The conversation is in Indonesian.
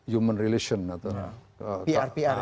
human relation atau